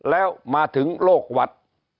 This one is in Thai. แล้วมาถึงโลกวัด